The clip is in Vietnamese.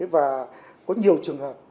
và có nhiều trường hợp